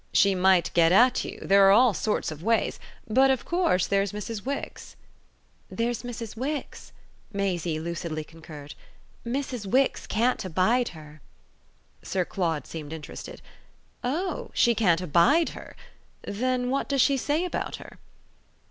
"She might get at you there are all sorts of ways. But of course there's Mrs. Wix." "There's Mrs. Wix," Maisie lucidly concurred. "Mrs. Wix can't abide her." Sir Claude seemed interested. "Oh she can't abide her? Then what does she say about her?"